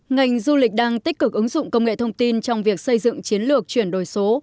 ngành du lịch đang tích cực ứng dụng công nghệ thông tin trong việc xây dựng chiến lược chuyển đổi số